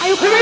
ayo ke rumah